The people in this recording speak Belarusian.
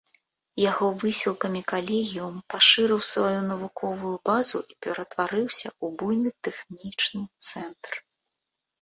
Яго высілкамі калегіум пашырыў сваю навуковую базу і ператварыўся ў буйны тэхнічны цэнтр.